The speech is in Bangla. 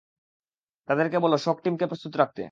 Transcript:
তাদেরকে বলো শক টিমকে প্রস্তুত রাখতে।